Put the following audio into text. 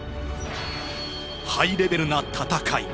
ハイレベルな戦い。